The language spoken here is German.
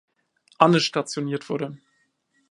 Anne stationiert wurde.